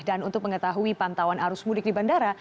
dan untuk mengetahui pantauan arus mudik di bandara